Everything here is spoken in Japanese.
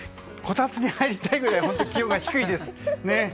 こたつに入りたいくらい本当、気温が低いです。